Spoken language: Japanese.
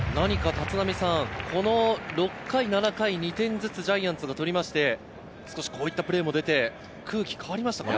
６回、７回、２点ずつジャイアンツが取りまして、少しこういうプレーも出て、空気は変わりましたかね？